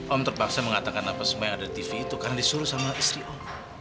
om terpaksa mengatakan apa semua yang ada di tv itu karena disuruh sama istri om